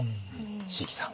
椎木さん